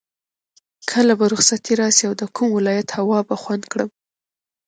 کله به رخصتي راشي او د کوم ولایت هوا به خوند کړم.